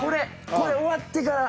これ終わってから。